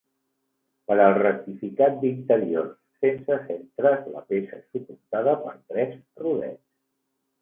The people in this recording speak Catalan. Per al rectificat d'interiors sense centres la peça és suportada per tres rodets.